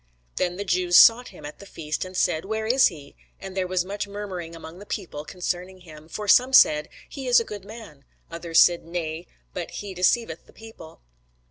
Then the Jews sought him at the feast, and said, Where is he? And there was much murmuring among the people concerning him: for some said, He is a good man: others said, Nay; but he deceiveth the people.